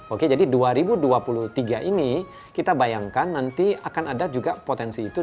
oke jadi dua ribu dua puluh tiga ini kita bayangkan nanti akan ada juga potensi itu